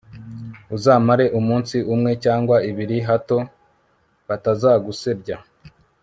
uzamare umunsi umwe cyangwa ibiri hato batazagusebya